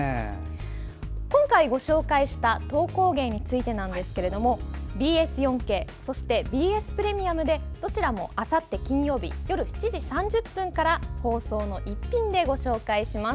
今回ご紹介した籐工芸についてＢＳ４ＫそしてＢＳプレミアムでどちらも、あさって金曜日夜７時３０分から放送の「イッピン」でご紹介します。